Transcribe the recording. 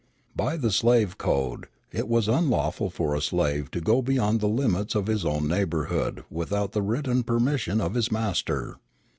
By the slave code it was unlawful for a slave to go beyond the limits of his own neighborhood without the written permission of his master.